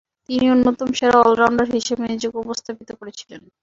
তিনি অন্যতম সেরা অল-রাউন্ডার হিসেবে নিজেকে উপস্থাপিত করেছিলেন।